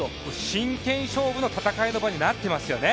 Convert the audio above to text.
真剣勝負の戦いの場になっていますよね。